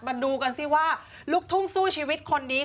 มาดูกันสิว่าลูกทุ่งสู้ชีวิตคนนี้